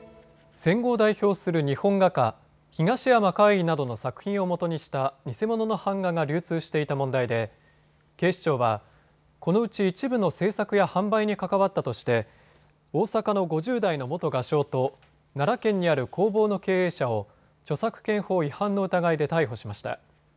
戦後を代表する日本画家、東山魁夷などの作品をもとにした偽物の版画が流通していた問題で警視庁は、このうち一部の制作や販売に関わったとして大阪の５０代の元画商と奈良県にある工房の経営者を著作権法違反の疑いで逮捕しました。